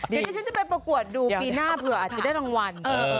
เดี๋ยวนี้ฉันจะไปประกวดดูปีหน้าเผื่ออาจจะได้รางวัล